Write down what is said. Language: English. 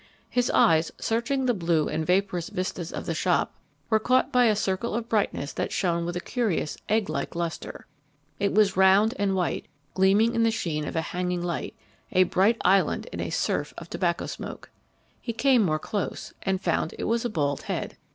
His eyes, searching the blue and vaporous vistas of the shop, were caught by a circle of brightness that shone with a curious egg like lustre. It was round and white, gleaming in the sheen of a hanging light, a bright island in a surf of tobacco smoke. He came more close, and found it was a bald head.